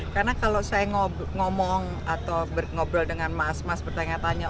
karena kalau saya ngomong atau ngobrol dengan mas mas bertanya tanya